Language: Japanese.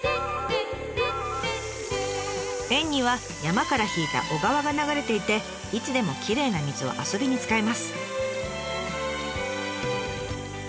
園には山から引いた小川が流れていていつでもきれいな水を遊びに使えます。